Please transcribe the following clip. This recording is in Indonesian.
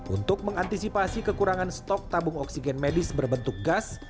untuk mengantisipasi kekurangan stok tabung oksigen medis berbentuk gas